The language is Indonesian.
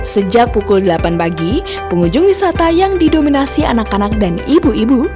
sejak pukul delapan pagi pengunjung wisata yang didominasi anak anak dan ibu ibu